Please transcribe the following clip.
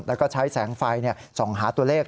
แล้วก็ใช้แสงไฟส่องหาตัวเลข